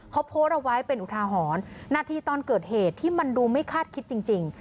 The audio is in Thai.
เขาโพสต์เอาไว้เป็นอุทาหรณ์หน้าที่ตอนเกิดเหตุที่มันดูไม่คาดคิดจริง